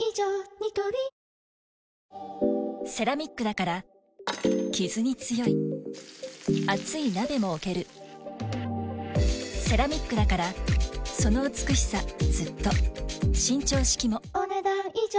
ニトリセラミックだからキズに強い熱い鍋も置けるセラミックだからその美しさずっと伸長式もお、ねだん以上。